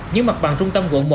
những mặt bằng trung tâm quận một